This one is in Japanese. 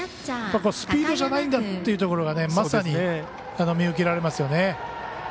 スピードじゃないんだっていうところがまさに、見受けられますよね。